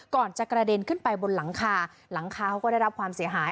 ก่อนจะกระเด็นขึ้นไปบนหลังคาหลังคาเขาก็ได้รับความเสียหาย